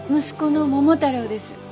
息子の桃太郎です。